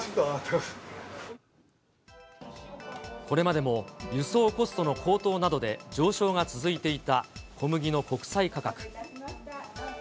これまでも輸送コストの高騰などで、上昇が続いていた小麦の国際価格。